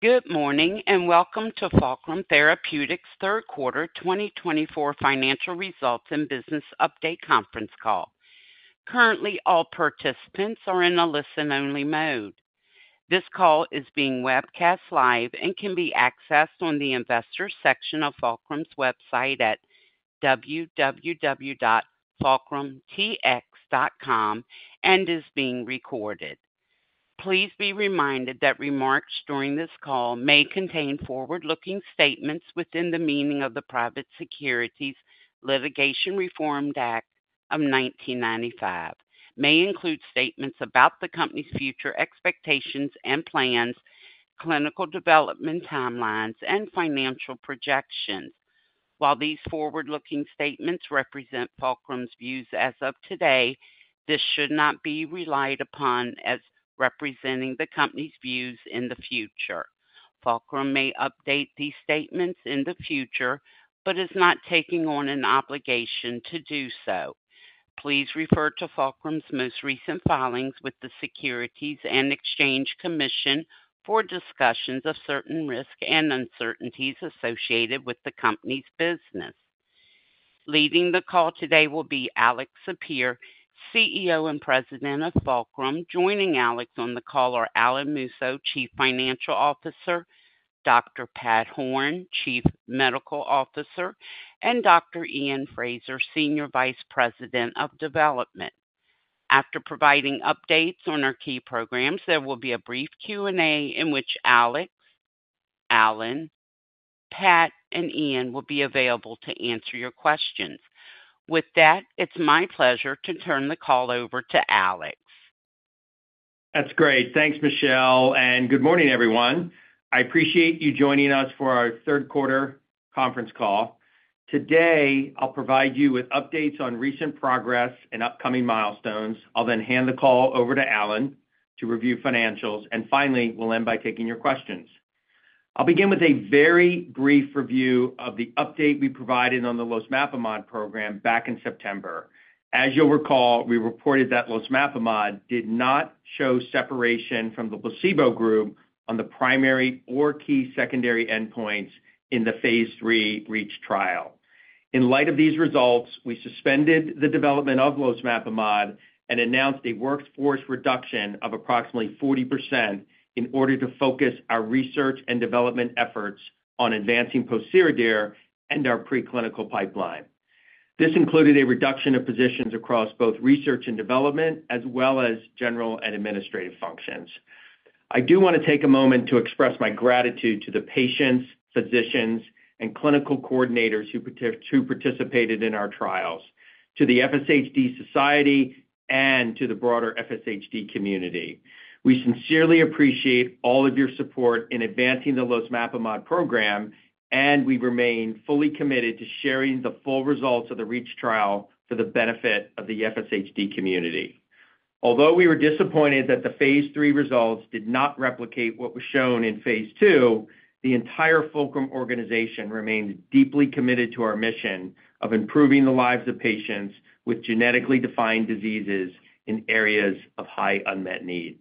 Good morning and welcome to Fulcrum Therapeutics' third quarter 2024 financial results and business update conference call. Currently, all participants are in a listen-only mode. This call is being webcast live and can be accessed on the investor section of Fulcrum's website at www.fulcrumtx.com and is being recorded. Please be reminded that remarks during this call may contain forward-looking statements within the meaning of the Private Securities Litigation Reform Act of 1995. May include statements about the company's future expectations and plans, clinical development timelines, and financial projections. While these forward-looking statements represent Fulcrum's views as of today, this should not be relied upon as representing the company's views in the future. Fulcrum may update these statements in the future but is not taking on an obligation to do so. Please refer to Fulcrum's most recent filings with the Securities and Exchange Commission for discussions of certain risks and uncertainties associated with the company's business. Leading the call today will be Alex Sapir, CEO and President of Fulcrum. Joining Alex on the call are Alan Musso, Chief Financial Officer; Dr. Pat Horn, Chief Medical Officer; and Dr. Iain Fraser, Senior Vice President of Development. After providing updates on our key programs, there will be a brief Q&A in which Alex, Alan, Pat, and Iain will be available to answer your questions. With that, it's my pleasure to turn the call over to Alex. That's great. Thanks, Michelle, and good morning, everyone. I appreciate you joining us for our third quarter conference call. Today, I'll provide you with updates on recent progress and upcoming milestones. I'll then hand the call over to Alan to review financials, and finally, we'll end by taking your questions. I'll begin with a very brief review of the update we provided on the losmapimod program back in September. As you'll recall, we reported that losmapimod did not show separation from the placebo group on the primary or key secondary endpoints in the phase III REACH trial. In light of these results, we suspended the development of losmapimod and announced a workforce reduction of approximately 40% in order to focus our research and development efforts on advancing pociredir and our preclinical pipeline. This included a reduction of positions across both research and development, as well as general and administrative functions. I do want to take a moment to express my gratitude to the patients, physicians, and clinical coordinators who participated in our trials, to the FSHD Society, and to the broader FSHD community. We sincerely appreciate all of your support in advancing the losmapimod program, and we remain fully committed to sharing the full results of the REACH trial for the benefit of the FSHD community. Although we were disappointed that the phase III results did not replicate what was shown in phase II, the entire Fulcrum organization remains deeply committed to our mission of improving the lives of patients with genetically defined diseases in areas of high unmet need.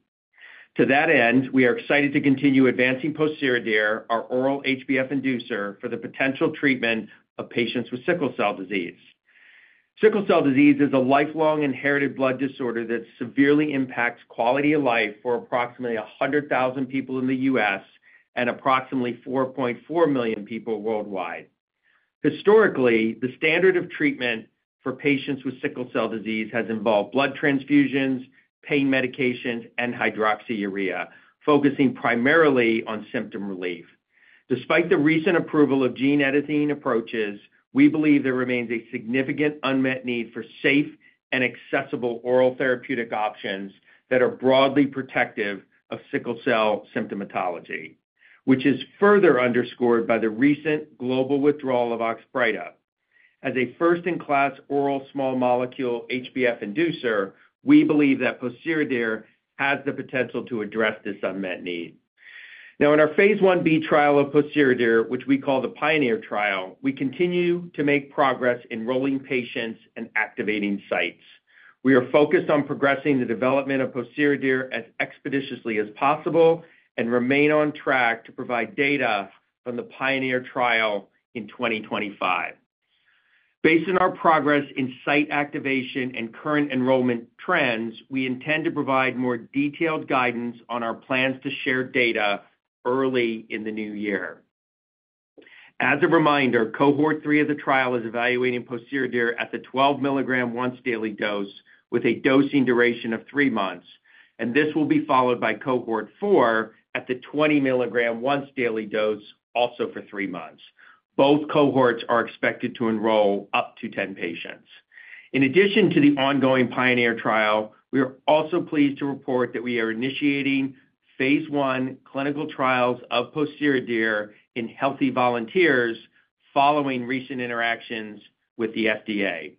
To that end, we are excited to continue advancing pociredir, our oral HbF inducer, for the potential treatment of patients with sickle cell disease. Sickle cell disease is a lifelong inherited blood disorder that severely impacts quality of life for approximately 100,000 people in the U.S. and approximately 4.4 million people worldwide. Historically, the standard of treatment for patients with sickle cell disease has involved blood transfusions, pain medications, and hydroxyurea, focusing primarily on symptom relief. Despite the recent approval of gene editing approaches, we believe there remains a significant unmet need for safe and accessible oral therapeutic options that are broadly protective of sickle cell symptomatology, which is further underscored by the recent global withdrawal of Oxbryta. As a first-in-class oral small molecule HbF inducer, we believe that pociredir has the potential to address this unmet need. Now, in our phase I-B trial of pociredir, which we call the Pioneer trial, we continue to make progress in enrolling patients and activating sites. We are focused on progressing the development of pociredir as expeditiously as possible and remain on track to provide data from the Pioneer trial in 2025. Based on our progress in site activation and current enrollment trends, we intend to provide more detailed guidance on our plans to share data early in the new year. As a reminder, Cohort III of the trial is evaluating pociredir at the 12 mg once-daily dose with a dosing duration of three months, and this will be followed by Cohort IV at the 20 mg once-daily dose also for three months. Both cohorts are expected to enroll up to 10 patients. In addition to the ongoing Pioneer trial, we are also pleased to report that we are initiating phase 1 clinical trials of pociredir in healthy volunteers following recent interactions with the FDA.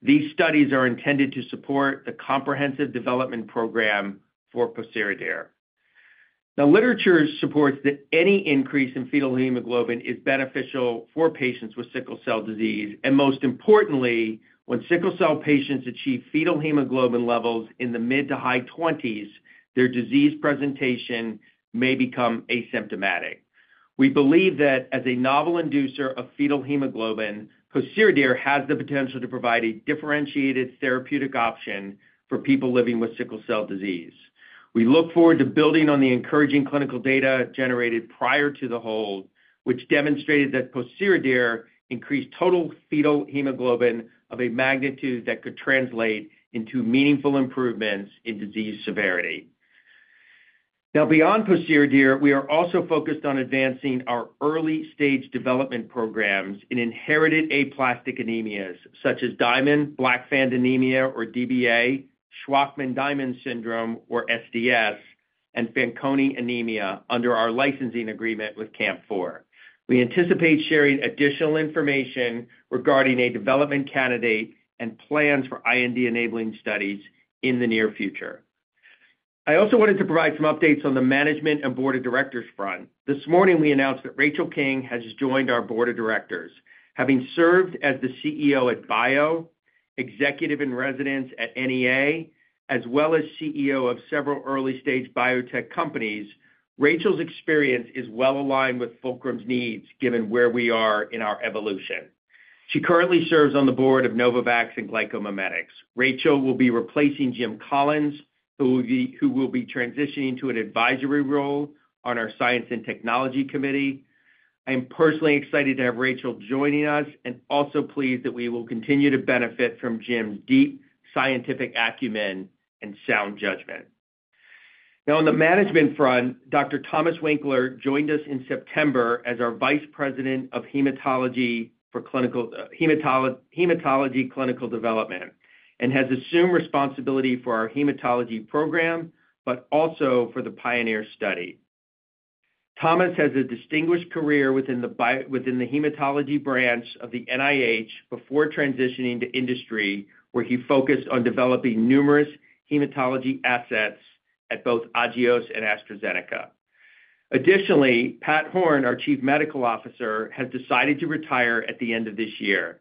These studies are intended to support the comprehensive development program for pociredir. The literature supports that any increase in fetal hemoglobin is beneficial for patients with sickle cell disease. Most importantly, when sickle cell patients achieve fetal hemoglobin levels in the mid- to high 20s, their disease presentation may become asymptomatic. We believe that as a novel inducer of fetal hemoglobin, pociredir has the potential to provide a differentiated therapeutic option for people living with sickle cell disease. We look forward to building on the encouraging clinical data generated prior to the hold, which demonstrated that pociredir increased total fetal hemoglobin of a magnitude that could translate into meaningful improvements in disease severity. Now, beyond pociredir, we are also focused on advancing our early-stage development programs in inherited aplastic anemias such as Diamond-Blackfan Anemia, or DBA, Shwachman-Diamond syndrome, or SDS, and Fanconi anemia under our licensing agreement with CAMP4. We anticipate sharing additional information regarding a development candidate and plans for IND-enabling studies in the near future. I also wanted to provide some updates on the management and board of directors front. This morning, we announced that Rachel King has joined our board of directors. Having served as the CEO at BIO, executive in residence at NEA, as well as CEO of several early-stage biotech companies, Rachel's experience is well aligned with Fulcrum's needs given where we are in our evolution. She currently serves on the board of Novavax and GlycoMimetics. Rachel will be replacing Jim Collins, who will be transitioning to an advisory role on our Science and Technology Committee. I am personally excited to have Rachel joining us and also pleased that we will continue to benefit from Jim's deep scientific acumen and sound judgment. Now, on the management front, Dr. Thomas Winkler joined us in September as our Vice President of Hematology Clinical Development and has assumed responsibility for our hematology program, but also for the Pioneer study. Thomas has a distinguished career within the hematology branch of the NIH before transitioning to industry, where he focused on developing numerous hematology assets at both Agios and AstraZeneca. Additionally, Pat Horn, our Chief Medical Officer, has decided to retire at the end of this year.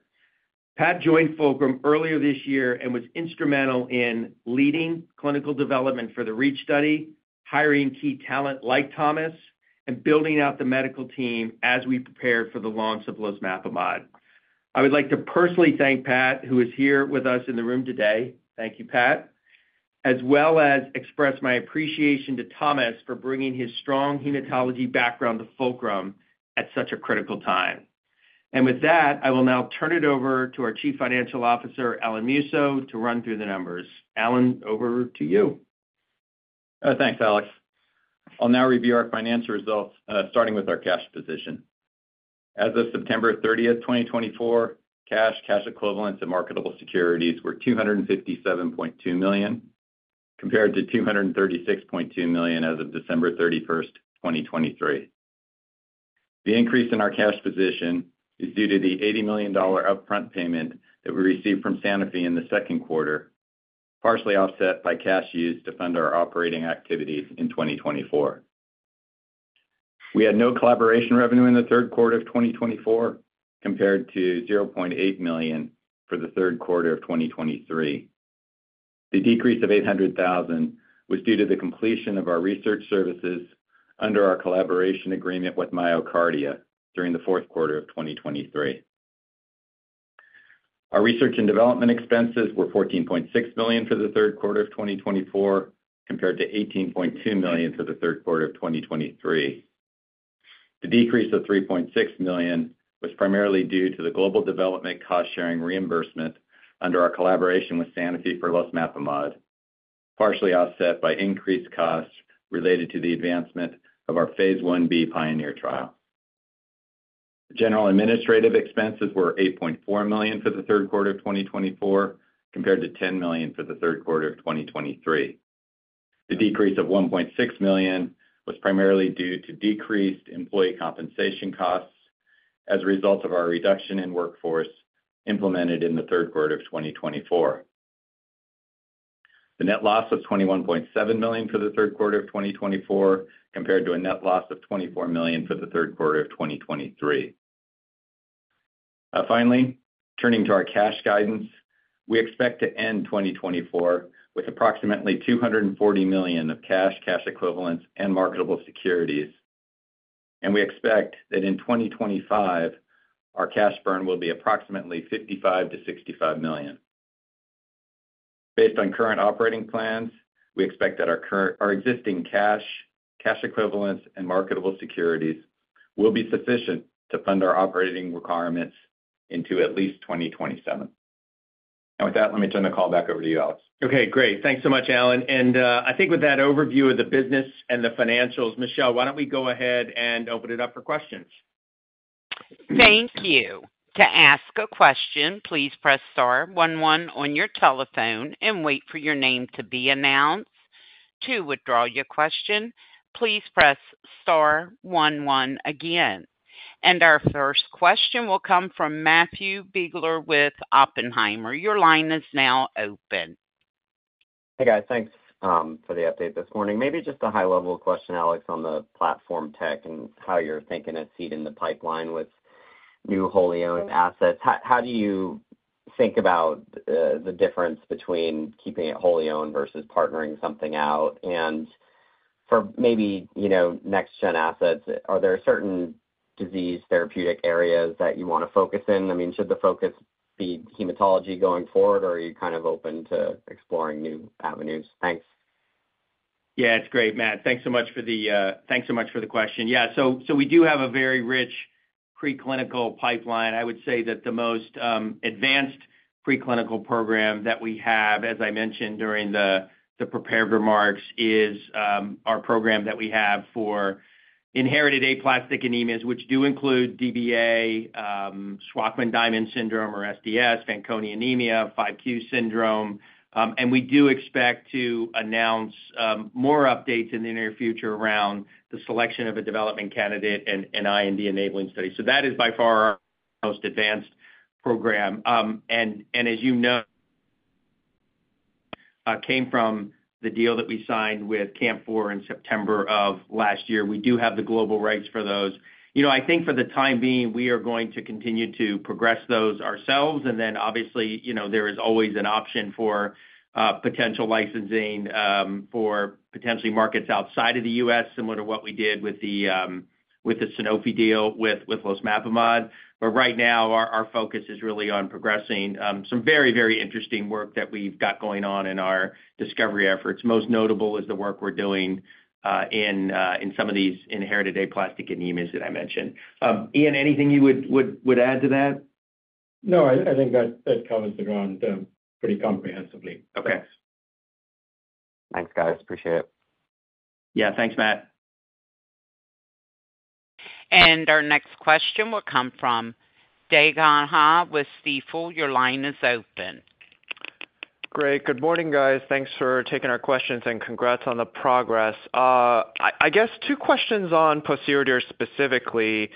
Pat joined Fulcrum earlier this year and was instrumental in leading clinical development for the REACH study, hiring key talent like Thomas, and building out the medical team as we prepared for the launch of losmapimod. I would like to personally thank Pat, who is here with us in the room today. Thank you, Pat, as well as express my appreciation to Thomas for bringing his strong hematology background to Fulcrum at such a critical time. And with that, I will now turn it over to our Chief Financial Officer, Alan Musso, to run through the numbers. Alan, over to you. Thanks, Alex. I'll now review our financial results, starting with our cash position. As of September 30th, 2024, cash, cash equivalents, and marketable securities were $257.2 million compared to $236.2 million as of December 31, 2023. The increase in our cash position is due to the $80 million upfront payment that we received from Sanofi in the second quarter, partially offset by cash used to fund our operating activities in 2024. We had no collaboration revenue in the third quarter of 2024 compared to $0.8 million for the third quarter of 2023. The decrease of $800,000 was due to the completion of our research services under our collaboration agreement with MyoKardia during the fourth quarter of 2023. Our research and development expenses were $14.6 million for the third quarter of 2024 compared to $18.2 million for the third quarter of 2023. The decrease of $3.6 million was primarily due to the global development cost-sharing reimbursement under our collaboration with Sanofi for losmapimod, partially offset by increased costs related to the advancement of our phase I-B Pioneer trial. General administrative expenses were $8.4 million for the third quarter of 2024 compared to $10 million for the third quarter of 2023. The decrease of $1.6 million was primarily due to decreased employee compensation costs as a result of our reduction in workforce implemented in the third quarter of 2024. The net loss was $21.7 million for the third quarter of 2024 compared to a net loss of $24 million for the third quarter of 2023. Finally, turning to our cash guidance, we expect to end 2024 with approximately $240 million of cash, cash equivalents, and marketable securities. We expect that in 2025, our cash burn will be approximately $55 million-$65 million. Based on current operating plans, we expect that our existing cash, cash equivalents, and marketable securities will be sufficient to fund our operating requirements into at least 2027. With that, let me turn the call back over to you, Alex. Okay, great. Thanks so much, Alan. I think with that overview of the business and the financials, Michelle, why don't we go ahead and open it up for questions? Thank you. To ask a question, please press star one one on your telephone and wait for your name to be announced. To withdraw your question, please press star one one again. And our first question will come from Matthew Biegler with Oppenheimer. Your line is now open. Hey, guys. Thanks for the update this morning. Maybe just a high-level question, Alex, on the platform tech and how you're thinking as we seed in the pipeline with new wholly owned assets. How do you think about the difference between keeping it wholly owned versus partnering something out? And for maybe next-gen assets, are there certain disease therapeutic areas that you want to focus in? I mean, should the focus be hematology going forward, or are you kind of open to exploring new avenues? Thanks. Yeah, it's great, Matt. Thanks so much for the question. Yeah, so we do have a very rich preclinical pipeline. I would say that the most advanced preclinical program that we have, as I mentioned during the prepared remarks, is our program that we have for inherited aplastic anemias, which do include DBA, Shwachman-Diamond syndrome, or SDS, Fanconi anemia, 5q- syndrome. And we do expect to announce more updates in the near future around the selection of a development candidate and IND-enabling studies. So that is by far our most advanced program. And as you know, came from the deal that we signed with CAMP4 in September of last year. We do have the global rights for those. I think for the time being, we are going to continue to progress those ourselves. And then obviously, there is always an option for potential licensing for potentially markets outside of the U.S., similar to what we did with the Sanofi deal with losmapimod. But right now, our focus is really on progressing some very, very interesting work that we've got going on in our discovery efforts. Most notable is the work we're doing in some of these inherited aplastic anemias that I mentioned. Iain, anything you would add to that? No, I think that covers the ground pretty comprehensively. Okay. Thanks, guys. Appreciate it. Yeah, thanks, Matt. And our next question will come from Dae Gon Ha with Stifel. Your line is open. Great. Good morning, guys. Thanks for taking our questions and congrats on the progress. I guess two questions on pociredir specifically.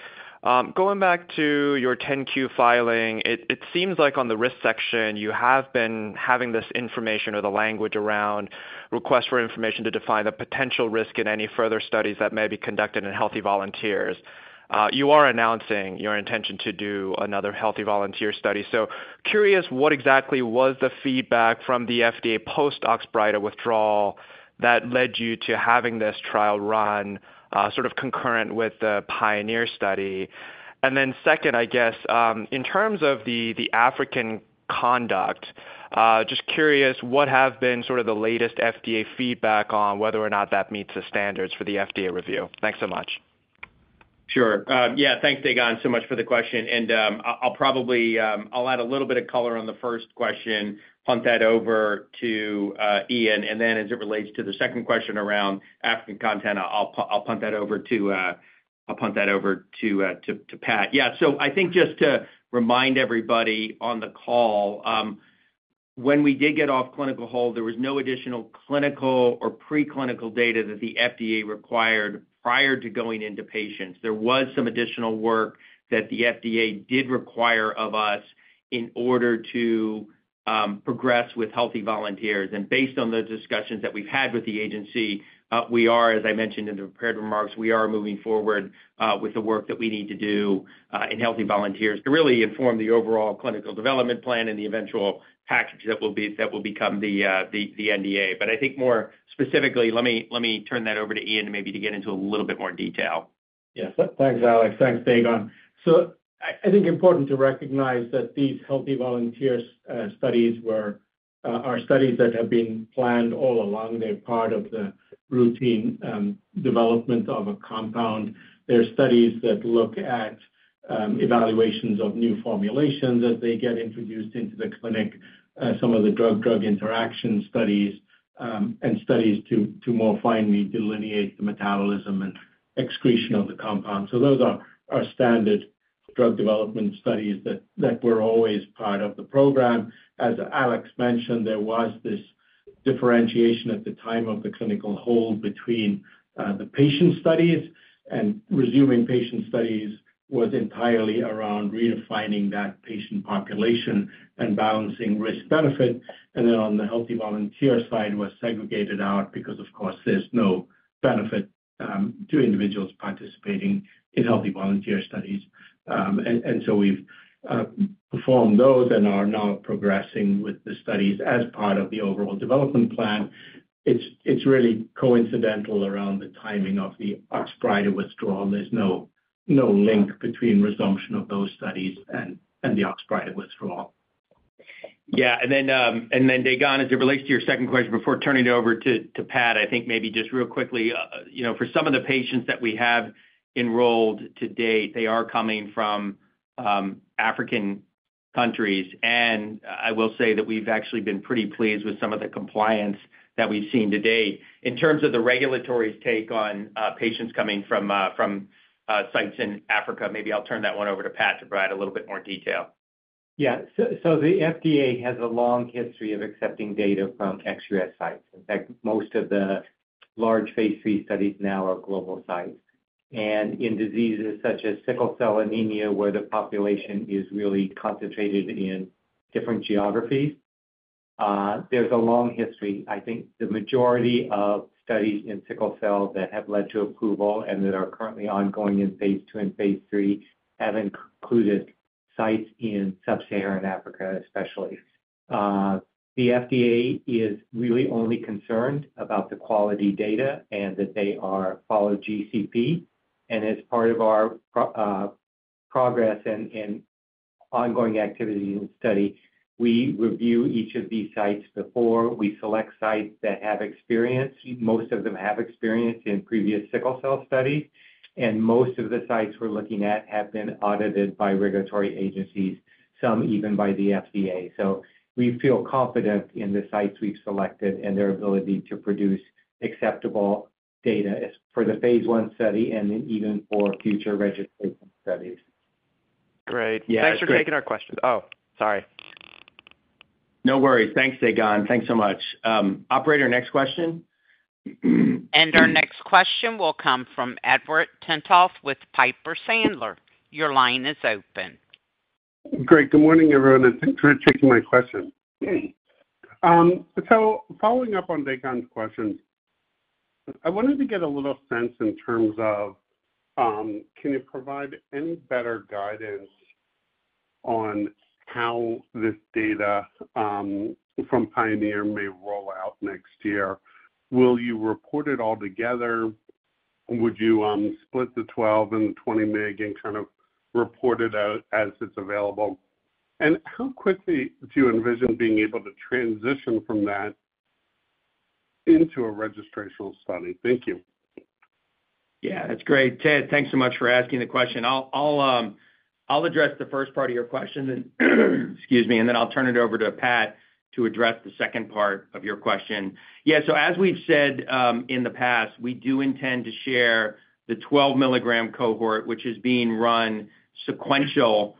Going back to your 10-Q filing, it seems like on the risk section, you have been having this information or the language around request for information to define the potential risk in any further studies that may be conducted in healthy volunteers. You are announcing your intention to do another healthy volunteer study. So curious, what exactly was the feedback from the FDA post-Oxbryta withdrawal that led you to having this trial run sort of concurrent with the Pioneer study? And then second, I guess, in terms of the African conduct, just curious, what have been sort of the latest FDA feedback on whether or not that meets the standards for the FDA review? Thanks so much. Sure. Yeah, thanks, Dae Gon Ha, so much for the question. And I'll probably add a little bit of color on the first question, punt that over to Iain. And then as it relates to the second question around African continent, I'll punt that over to Pat. Yeah, so I think just to remind everybody on the call, when we did get off clinical hold, there was no additional clinical or preclinical data that the FDA required prior to going into patients. There was some additional work that the FDA did require of us in order to progress with healthy volunteers. Based on the discussions that we've had with the agency, we are, as I mentioned in the prepared remarks, we are moving forward with the work that we need to do in healthy volunteers to really inform the overall clinical development plan and the eventual package that will become the NDA. But I think more specifically, let me turn that over to Iain maybe to get into a little bit more detail. Yes, thanks, Alex. Thanks, Dae Gon Ha, so I think important to recognize that these healthy volunteers studies were our studies that have been planned all along. They're part of the routine development of a compound. They're studies that look at evaluations of new formulations as they get introduced into the clinic, some of the drug-drug interaction studies, and studies to more finely delineate the metabolism and excretion of the compound. So those are standard drug development studies that were always part of the program. As Alex mentioned, there was this differentiation at the time of the clinical hold between the patient studies, and resuming patient studies was entirely around redefining that patient population and balancing risk-benefit and then on the healthy volunteer side was segregated out because, of course, there's no benefit to individuals participating in healthy volunteer studies. We've performed those and are now progressing with the studies as part of the overall development plan. It's really coincidental around the timing of the Oxbryta withdrawal. There's no link between resumption of those studies and the Oxbryta withdrawal. Yeah. And then, Dae Gon Ha, as it relates to your second question before turning it over to Pat, I think maybe just real quickly, for some of the patients that we have enrolled to date, they are coming from African countries. And I will say that we've actually been pretty pleased with some of the compliance that we've seen to date. In terms of the regulatory take on patients coming from sites in Africa, maybe I'll turn that one over to Pat to provide a little bit more detail. Yeah. The FDA has a long history of accepting data from ex-US sites. In fact, most of the large phase III studies now are global sites. In diseases such as sickle cell anemia, where the population is really concentrated in different geographies, there's a long history. I think the majority of studies in sickle cell that have led to approval and that are currently ongoing in phase II and phase III have included sites in sub-Saharan Africa, especially. The FDA is really only concerned about the quality data and that they follow GCP. As part of our progress and ongoing activities in the study, we review each of these sites before we select sites that have experience. Most of them have experience in previous sickle cell studies. Most of the sites we're looking at have been audited by regulatory agencies, some even by the FDA. We feel confident in the sites we've selected and their ability to produce acceptable data for the phase I study and even for future registration studies. Great. Thanks for taking our questions. Oh, sorry. No worries. Thanks, Dae Gon Ha. Thanks so much. Operator, next question. And our next question will come from Edward Tenthoff with Piper Sandler. Your line is open. Great. Good morning, everyone. And thanks for taking my question. So following up on Dae Gon Ha's questions, I wanted to get a little sense in terms of can you provide any better guidance on how this data from Pioneer may roll out next year? Will you report it all together? Would you split the 12 and the 20 mg and kind of report it out as it's available? And how quickly do you envision being able to transition from that into a registrational study? Thank you. Yeah, that's great. Thanks so much for asking the question. I'll address the first part of your question, excuse me, and then I'll turn it over to Pat to address the second part of your question. Yeah, so as we've said in the past, we do intend to share the 12 mg cohort, which is being run sequentially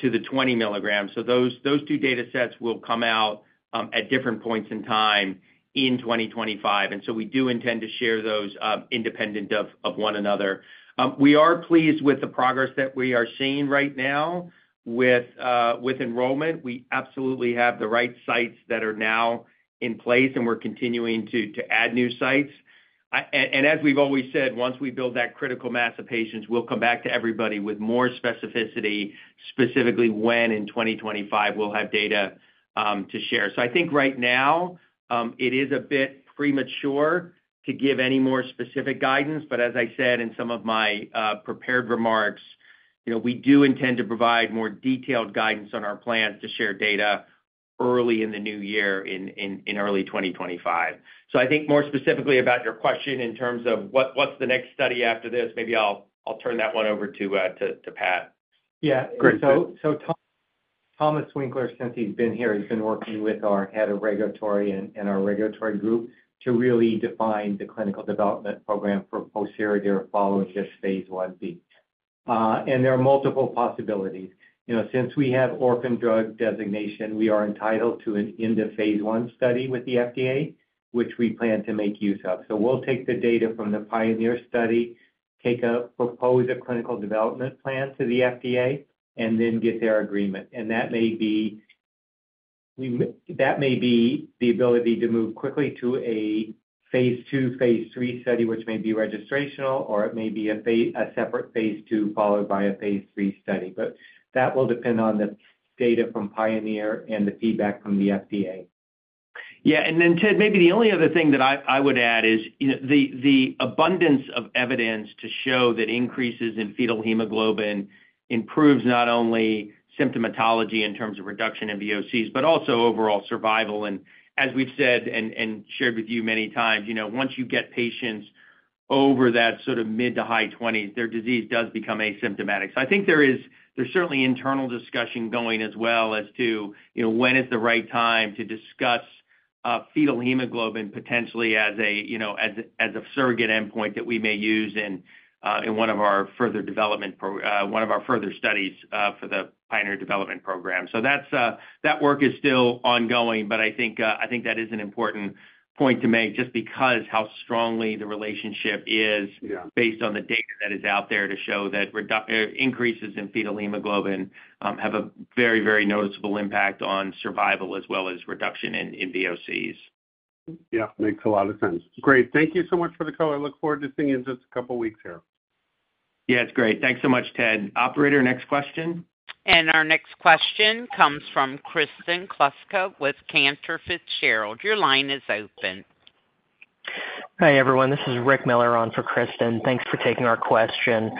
to the 20 mg. So those two data sets will come out at different points in time in 2025. And so we do intend to share those independent of one another. We are pleased with the progress that we are seeing right now with enrollment. We absolutely have the right sites that are now in place, and we're continuing to add new sites. And as we've always said, once we build that critical mass of patients, we'll come back to everybody with more specificity, specifically when in 2025 we'll have data to share. So I think right now it is a bit premature to give any more specific guidance. But as I said in some of my prepared remarks, we do intend to provide more detailed guidance on our plan to share data early in the new year in early 2025. So I think more specifically about your question in terms of what's the next study after this, maybe I'll turn that one over to Pat. Yeah. So Thomas Winkler, since he's been here, he's been working with our head of regulatory and our regulatory group to really define the clinical development program for pociredir following this phase I-B. And there are multiple possibilities. Since we have orphan drug designation, we are entitled to an end-of-phase 1 study with the FDA, which we plan to make use of. So we'll take the data from the Pioneer study, propose a clinical development plan to the FDA, and then get their agreement. And that may be the ability to move quickly to a phase II, phase III study, which may be registrational, or it may be a separate phase II followed by a phase III study. But that will depend on the data from Pioneer and the feedback from the FDA. Yeah. And then, Ted, maybe the only other thing that I would add is the abundance of evidence to show that increases in fetal hemoglobin improves not only symptomatology in terms of reduction in VOCs, but also overall survival. And as we've said and shared with you many times, once you get patients over that sort of mid to high 20s, their disease does become asymptomatic. So I think there is certainly internal discussion going as well as to when is the right time to discuss fetal hemoglobin potentially as a surrogate endpoint that we may use in one of our further studies for the Pioneer development program. So that work is still ongoing, but I think that is an important point to make just because how strongly the relationship is based on the data that is out there to show that increases in fetal hemoglobin have a very, very noticeable impact on survival as well as reduction in VOCs. Yeah. Makes a lot of sense. Great. Thank you so much for the call. I look forward to seeing you in just a couple of weeks here. Yeah, it's great. Thanks so much, Ed. Operator, next question. Our next question comes from Kristen Kluska with Cantor Fitzgerald. Your line is open. Hi everyone. This is Rick Miller on for Kristen. Thanks for taking our question.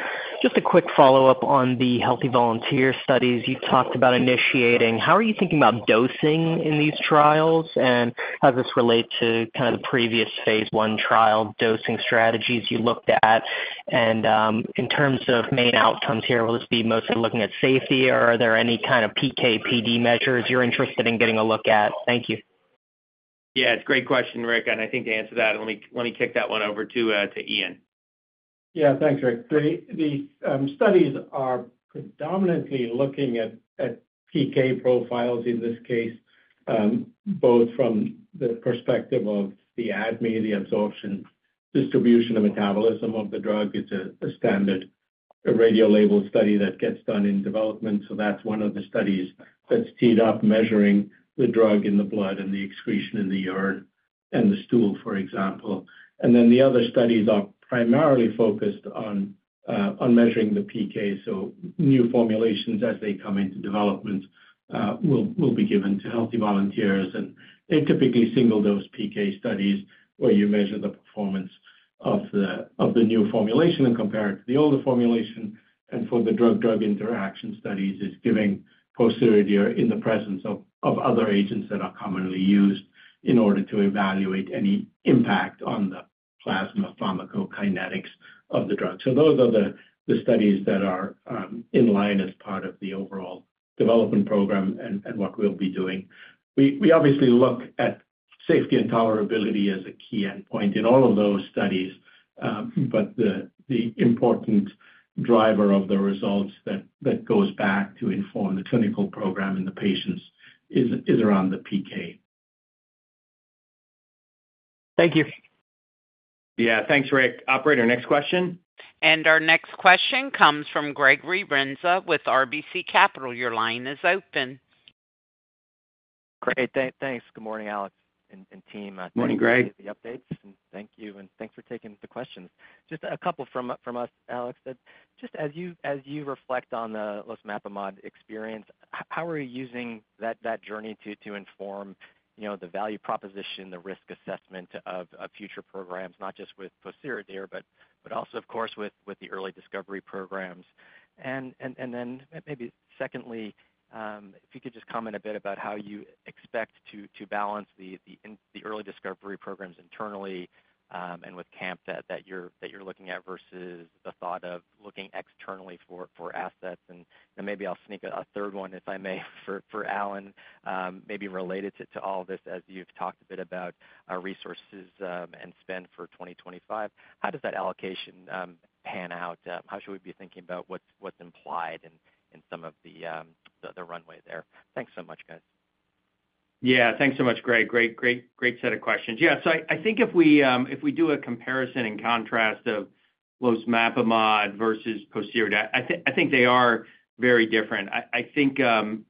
Just a quick follow-up on the healthy volunteer studies you talked about initiating. How are you thinking about dosing in these trials? And how does this relate to kind of the previous phase I trial dosing strategies you looked at? And in terms of main outcomes here, will this be mostly looking at safety, or are there any kind of PK/PD measures you're interested in getting a look at? Thank you. Yeah, it's a great question, Rick. I think to answer that, let me kick that one over to Iain. Yeah, thanks, Rick. The studies are predominantly looking at PK profiles in this case, both from the perspective of the ADME, the absorption, distribution, and metabolism of the drug. It's a standard radiolabel study that gets done in development. So that's one of the studies that's teed up measuring the drug in the blood and the excretion in the urine and the stool, for example. And then the other studies are primarily focused on measuring the PK. So new formulations as they come into development will be given to healthy volunteers. And they're typically single-dose PK studies where you measure the performance of the new formulation and compare it to the older formulation. And for the drug-drug interaction studies, it's giving pociredir in the presence of other agents that are commonly used in order to evaluate any impact on the plasma pharmacokinetics of the drug. Those are the studies that are in line as part of the overall development program and what we'll be doing. We obviously look at safety and tolerability as a key endpoint in all of those studies. The important driver of the results that goes back to inform the clinical program and the patients is around the PK. Thank you. Yeah. Thanks, Rick. Operator, next question. Our next question comes from Gregory Renza with RBC Capital. Your line is open. Great. Thanks. Good morning, Alex and team. Morning, Greg. The updates. And thank you. And thanks for taking the questions. Just a couple from us, Alex. Just as you reflect on the Losmapimod experience, how are you using that journey to inform the value proposition, the risk assessment of future programs, not just with pociredir, but also, of course, with the early discovery programs? And then maybe secondly, if you could just comment a bit about how you expect to balance the early discovery programs internally and with CAMP4 that you're looking at versus the thought of looking externally for assets. And maybe I'll sneak a third one, if I may, for Alan, maybe related to all this as you've talked a bit about resources and spend for 2025. How does that allocation pan out? How should we be thinking about what's implied in some of the runway there? Thanks so much, guys. Yeah. Thanks so much, Greg. Great, great, great set of questions. Yeah. So I think if we do a comparison and contrast of losmapimod versus pociredir, I think they are very different. I think some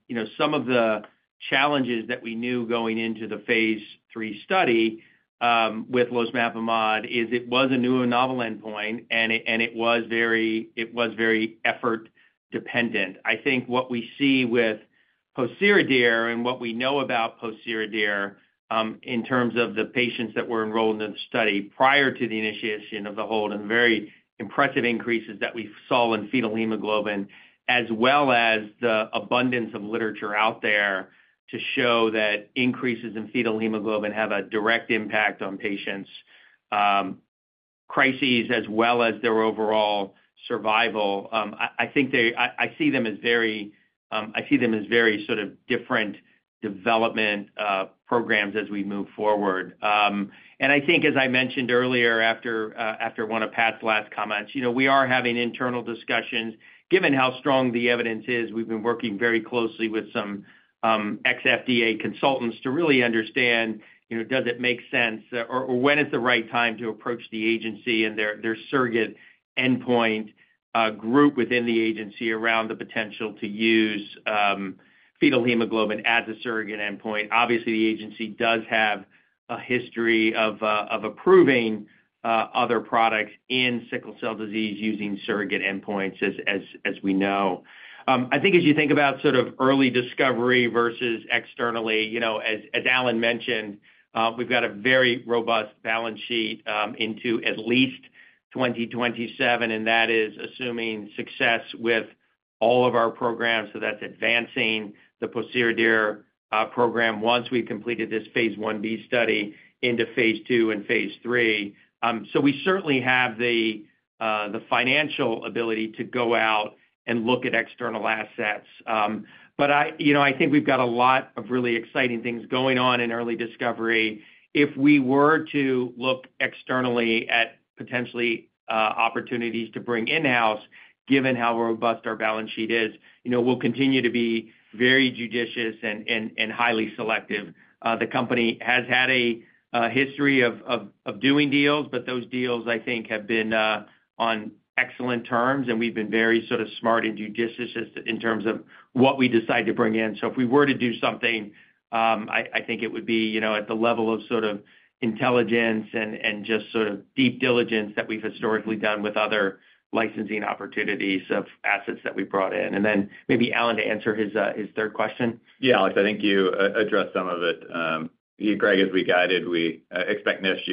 of the challenges that we knew going into the phase III study with losmapimod is it was a new and novel endpoint, and it was very effort-dependent. I think what we see with pociredir and what we know about pociredir in terms of the patients that were enrolled in the study prior to the initiation of the hold and very impressive increases that we saw in fetal hemoglobin, as well as the abundance of literature out there to show that increases in fetal hemoglobin have a direct impact on patients' crises as well as their overall survival. I think I see them as very sort of different development programs as we move forward. I think, as I mentioned earlier after one of Pat's last comments, we are having internal discussions. Given how strong the evidence is, we've been working very closely with some ex-FDA consultants to really understand, does it make sense or when is the right time to approach the agency and their surrogate endpoint group within the agency around the potential to use fetal hemoglobin as a surrogate endpoint. Obviously, the agency does have a history of approving other products in sickle cell disease using surrogate endpoints as we know. I think as you think about sort of early discovery versus externally, as Alan mentioned, we've got a very robust balance sheet into at least 2027, and that is assuming success with all of our programs. That's advancing the pociredir program once we've completed this phase I-B study into phase II and phase III. We certainly have the financial ability to go out and look at external assets. I think we've got a lot of really exciting things going on in early discovery. If we were to look externally at potentially opportunities to bring in-house, given how robust our balance sheet is, we'll continue to be very judicious and highly selective. The company has had a history of doing deals, but those deals, I think, have been on excellent terms, and we've been very sort of smart and judicious in terms of what we decide to bring in. So if we were to do something, I think it would be at the level of sort of intelligence and just sort of deep diligence that we've historically done with other licensing opportunities of assets that we brought in. And then maybe Alan to answer his third question. Yeah, Alex, I think you addressed some of it. Greg, as we guided, we expect next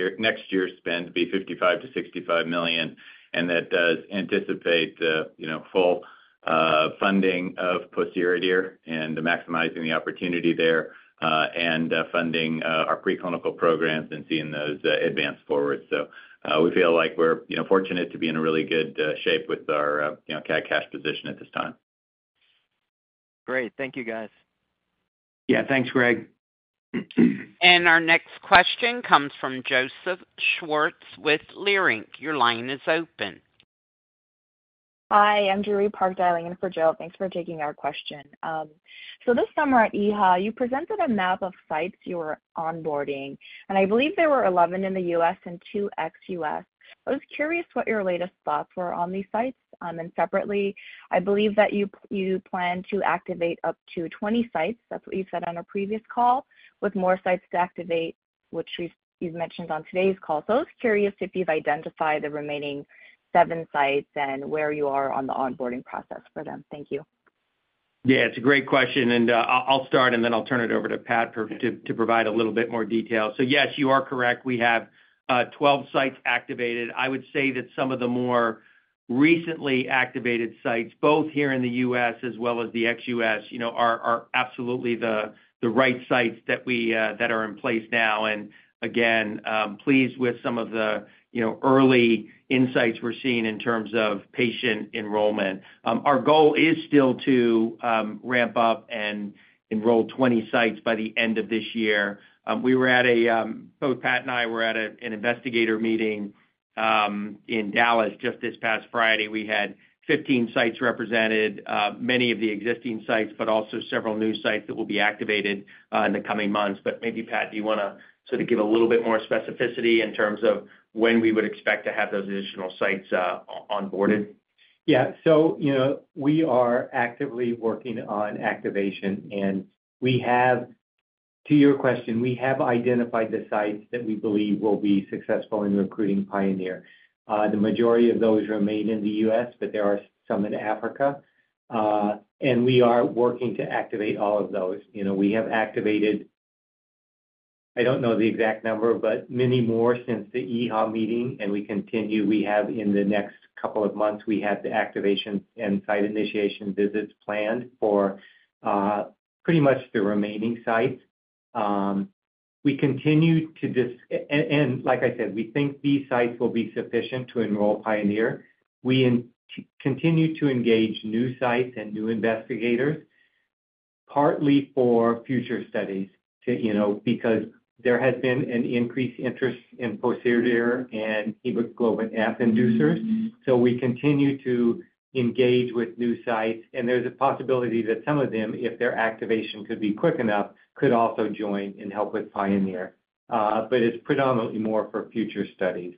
year's spend to be $55 million-$65 million, and that does anticipate full funding of pociredir and maximizing the opportunity there and funding our pre-clinical programs and seeing those advance forward. So we feel like we're fortunate to be in a really good shape with our cash position at this time. Great. Thank you, guys. Yeah. Thanks, Greg. And our next question comes from Joseph Schwartz with Leerink. Your line is open. Hi. I'm Joori Park, dialing in for Joe. Thanks for taking our question. So this summer at EHA, you presented a map of sites you were onboarding, and I believe there were 11 in the U.S. and two ex-U.S. I was curious what your latest thoughts were on these sites. And separately, I believe that you plan to activate up to 20 sites. That's what you said on a previous call with more sites to activate, which you've mentioned on today's call. So I was curious if you've identified the remaining seven sites and where you are on the onboarding process for them. Thank you. Yeah. It's a great question. And I'll start, and then I'll turn it over to Pat to provide a little bit more detail. So yes, you are correct. We have 12 sites activated. I would say that some of the more recently activated sites, both here in the U.S. as well as the ex-U.S., are absolutely the right sites that are in place now. And again, pleased with some of the early insights we're seeing in terms of patient enrollment. Our goal is still to ramp up and enroll 20 sites by the end of this year. Both Pat and I were at an investigator meeting in Dallas just this past Friday. We had 15 sites represented, many of the existing sites, but also several new sites that will be activated in the coming months. But maybe Pat, do you want to sort of give a little bit more specificity in terms of when we would expect to have those additional sites onboarded? Yeah, so we are actively working on activation, and to your question, we have identified the sites that we believe will be successful in recruiting Pioneer. The majority of those remain in the U.S., but there are some in Africa, and we are working to activate all of those. We have activated, I don't know the exact number, but many more since the EHA meeting, and we continue. We have in the next couple of months, we have the activation and site initiation visits planned for pretty much the remaining sites. We continue to just, and like I said, we think these sites will be sufficient to enroll Pioneer. We continue to engage new sites and new investigators, partly for future studies because there has been an increased interest in pociredir and hemoglobin F inducers, so we continue to engage with new sites. There's a possibility that some of them, if their activation could be quick enough, could also join and help with Pioneer. It's predominantly more for future studies.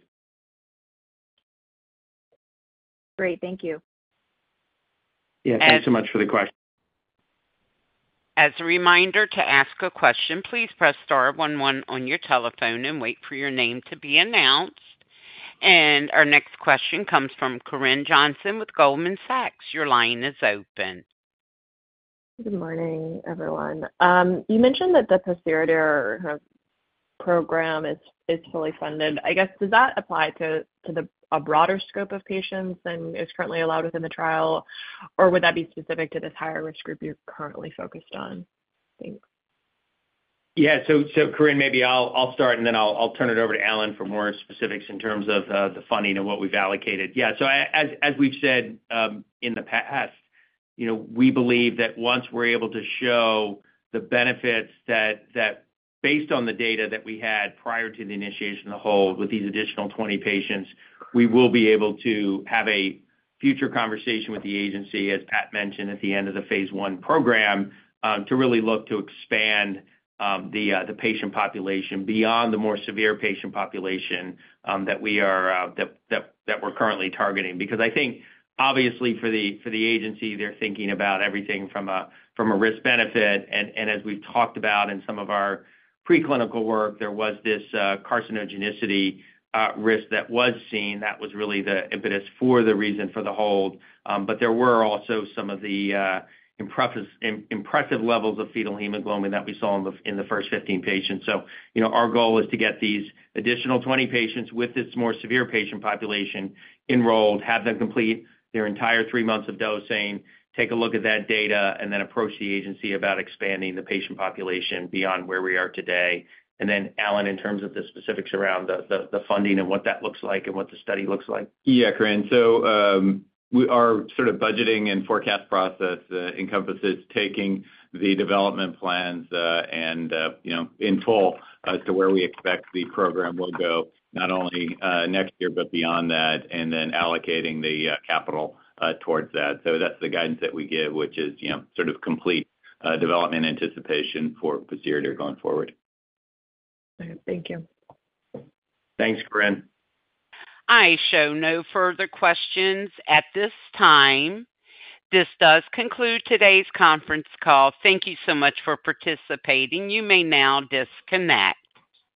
Great. Thank you. Yeah. Thanks so much for the question. As a reminder to ask a question, please press star one one on your telephone and wait for your name to be announced. And our next question comes from Corinne Johnson with Goldman Sachs. Your line is open. Good morning, everyone. You mentioned that the pociredir program is fully funded. I guess, does that apply to a broader scope of patients than is currently allowed within the trial, or would that be specific to this higher risk group you're currently focused on? Thanks. Yeah. So Corinne, maybe I'll start, and then I'll turn it over to Alan for more specifics in terms of the funding and what we've allocated. Yeah. So as we've said in the past, we believe that once we're able to show the benefits that based on the data that we had prior to the initiation of the hold with these additional 20 patients, we will be able to have a future conversation with the agency, as Pat mentioned, at the end of the phase I program to really look to expand the patient population beyond the more severe patient population that we're currently targeting. Because I think, obviously, for the agency, they're thinking about everything from a risk-benefit. And as we've talked about in some of our pre-clinical work, there was this carcinogenicity risk that was seen. That was really the impetus for the reason for the hold. But there were also some of the impressive levels of fetal hemoglobin that we saw in the first 15 patients. So our goal is to get these additional 20 patients with this more severe patient population enrolled, have them complete their entire three months of dosing, take a look at that data, and then approach the agency about expanding the patient population beyond where we are today. And then Alan, in terms of the specifics around the funding and what that looks like and what the study looks like. Yeah, Corinne, so our sort of budgeting and forecast process encompasses taking the development plans and in full as to where we expect the program will go, not only next year, but beyond that, and then allocating the capital towards that, so that's the guidance that we give, which is sort of complete development anticipation for pociredir going forward. Thank you. Thanks, Corinne. I show no further questions at this time. This does conclude today's conference call. Thank you so much for participating. You may now disconnect.